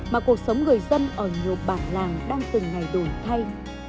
mà cuộc sống người dân ở nhiều bản làng đang từng ngày đổi thay